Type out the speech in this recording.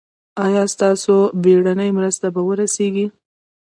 ایا ستاسو بیړنۍ مرسته به ورسیږي؟